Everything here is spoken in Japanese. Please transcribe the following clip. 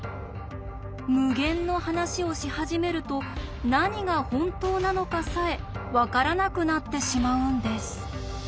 無限の話をし始めると何が本当なのかさえ分からなくなってしまうんです。